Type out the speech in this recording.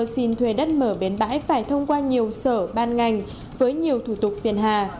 xin thuê đất mở bến bãi phải thông qua nhiều sở ban ngành với nhiều thủ tục phiền hà